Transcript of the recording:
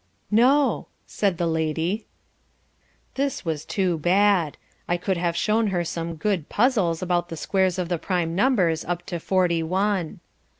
"No," said the lady. This was too bad. I could have shown her some good puzzles about the squares of the prime numbers up to forty one.